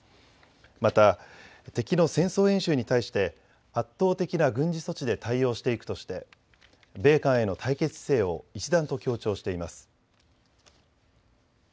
また、敵の戦争演習に対して圧倒的な軍事措置で対応していくとして米韓への対決姿勢を一段と強調しています。